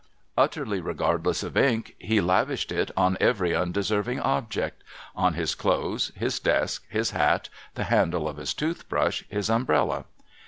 Utterly regardless of ink, he lavished it on every undeserving object, — on his clothes, his desk, his hat, the handle of his tooth brush, his umbrella.